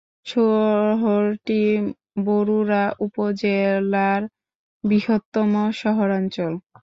শহরটি বরুড়া উপজেলার বৃহত্তম শহরাঞ্চল।